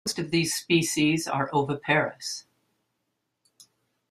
Most of these species are oviparous.